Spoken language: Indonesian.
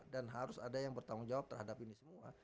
dan harus ada yang bertanggung jawab terhadap ini semua